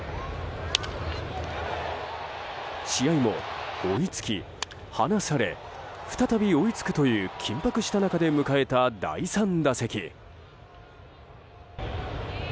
試合も追いつき、離され再び追いつくという緊迫した中で迎えた第３打席。